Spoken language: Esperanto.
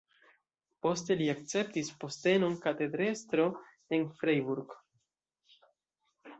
Poste li akceptis postenon katedrestro en Freiburg.